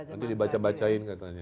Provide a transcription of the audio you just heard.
nanti dibaca bacain katanya